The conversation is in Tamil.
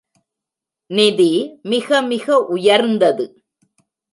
நிதி மிகமிக உயர்ந்தது.